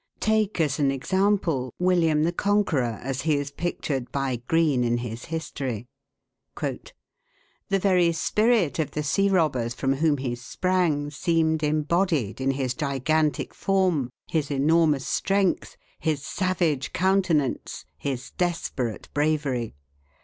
Take, as an example, William the Conqueror, as he is pictured by Green in his history: "The very spirit of the sea robbers from whom he sprang seemed embodied in his gigantic form, his enormous strength, his savage countenance, his desperate bravery.